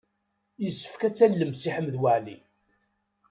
Yessefk ad tallem Si Ḥmed Waɛli.